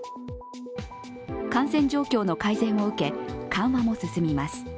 感染状況の改善を受け、緩和も進みます。